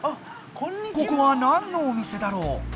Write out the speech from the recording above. ここはなんのお店だろう？